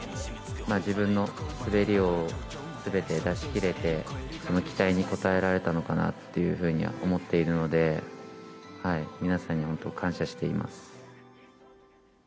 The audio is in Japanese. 自分の滑りをすべて出しきれて、その期待に応えられたのかなっていうふうには思っているので、皆さんに本当、感謝しています。